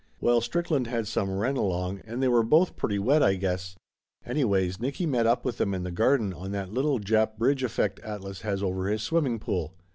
Well, Strickland had some wren along and they were both pretty wet, I guess. Anyways, Nicky met up with them in the garden on that little Jap bridge effect Atlas has over his swimming pool.